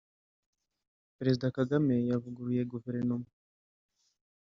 Perezida Kagame yavuguruye Guverinoma